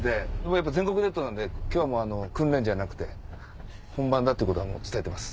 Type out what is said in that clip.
やっぱ全国ネットなんで今日は訓練じゃなくて本番だってことは伝えてます。